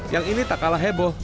yang ini tak kalah heboh